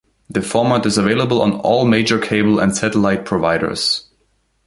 The format is available on all major cable and satellite providers.